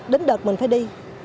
đến đợt mình phải đi